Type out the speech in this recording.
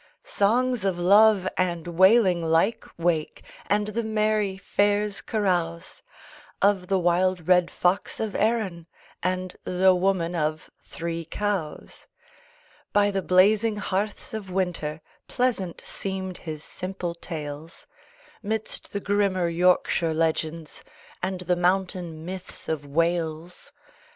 Songs of love and wailing lyke wake And the merry fair's carouse; Of the wild Red Fox of Erin And the Woman of Three Cows, By the blazing hearths of winter Pleasant seemed his simple tales, Midst the grimmer Yorkshire legends And the mountain myths of Wales.